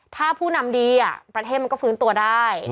ถ้าผู้นำดีประเทศมันก็ฟื้นตัวได้